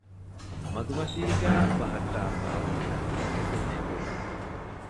މަގުމަތީގައި ބަހައްޓާފައި ހުންނަ ތަކެތިނެގުން